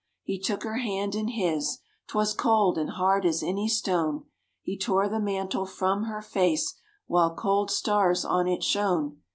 He took her hand in his; 'twas cold and hard as any stone. He tore the mantle from her face while cold stars on it shone.